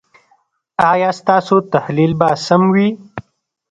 ایا ستاسو تحلیل به سم وي؟